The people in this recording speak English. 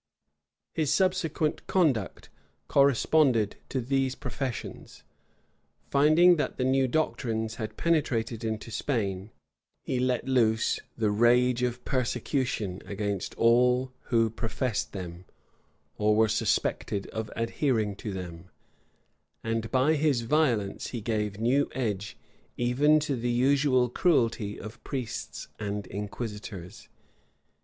[*] His subsequent conduct corresponded to these professions. Finding that the new doctrines had penetrated into Spain, he let loose the rage of persecution against all who professed them, or were suspected of adhering to them; and by his violence he gave new edge even to the usual cruelty of priests and inquisitors.